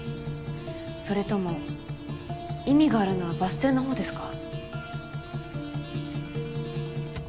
それとも意味があるのはバス停のほうですか？